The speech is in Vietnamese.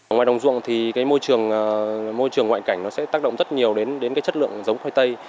ngoài đồng dụng thì môi trường ngoại cảnh sẽ tác động rất nhiều đến chất lượng giống khoai tây